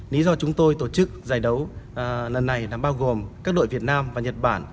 lý do chúng tôi tổ chức giải đấu lần này là bao gồm các đội việt nam và nhật bản